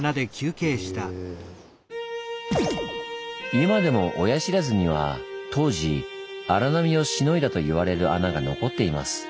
今でも親不知には当時荒波をしのいだと言われる穴が残っています。